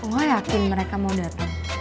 gue yakin mereka mau datang